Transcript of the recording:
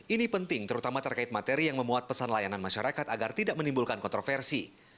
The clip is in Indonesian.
ini penting terutama terkait materi yang memuat pesan layanan masyarakat agar tidak menimbulkan kontroversi